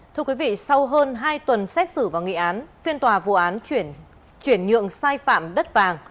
thưa quý vị sau hơn hai tuần xét xử và nghị án phiên tòa vụ án chuyển nhượng sai phạm đất vàng